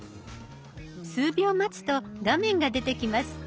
数秒待つと画面が出てきます。